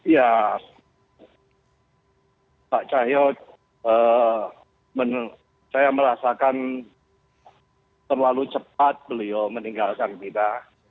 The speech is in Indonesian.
ya pak cahyo saya merasakan terlalu cepat beliau meninggalkan kita